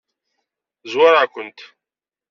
Zwareɣ-kent.